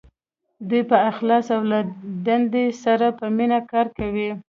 دوی په اخلاص او له دندې سره په مینه کار کوي.